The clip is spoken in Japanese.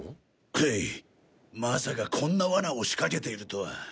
はいまさかこんな罠を仕掛けているとは。